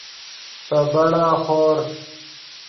پے بڑا خور